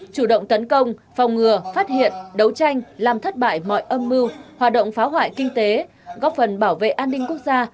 chủ động tấn công phòng ngừa phát hiện đấu tranh làm thất bại mọi âm mưu hoạt động phá hoại kinh tế góp phần bảo vệ an ninh quốc gia